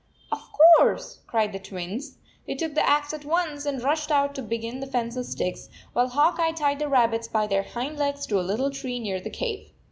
" Of course," cried the Twins. They took the axe at once and rushed out to begin the fence of sticks, while Hawk Eye tied the rabbits by their hind legs to a little tree near the cave.